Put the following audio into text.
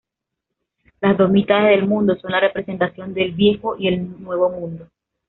Las dos mitades del mundo son la representación del Viejo y el Nuevo Mundo.